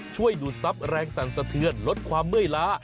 ช่วยดูดซับแรงสั่นสะเทือนลดความเมื่อยล้า